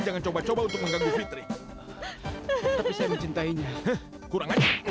sampai jumpa di video selanjutnya